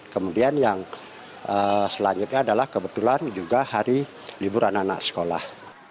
kemudian yang selanjutnya adalah kebetulan juga hari libur anak anak sekolah